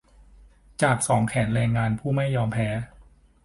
จากสองแขนแรงงานผู้ไม่ยอมแพ้